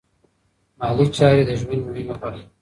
مالي چارې د ژوند مهمه برخه ده.